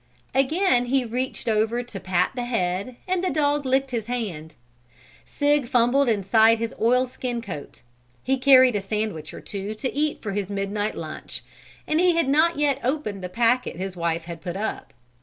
Again he reached over to pat the head and the dog licked his hand. Sig fumbled inside his oilskin coat. He carried a sandwich or two to eat for his midnight lunch, and he had not yet opened the packet his wife had put up.